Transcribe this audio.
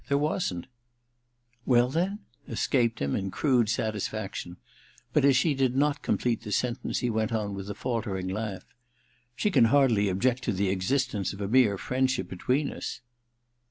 There wasn't '* Well, then ?' escaped him, in undisguised satisfaction ; but as she did not complete the sentence he went on with a faltering laugh : *She can hardly object to the existence of a mere friendship between us